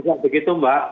saya juga begitu mbak